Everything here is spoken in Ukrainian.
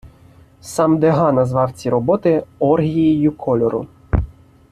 Сам Дега назвав ці роботи оргією кольору.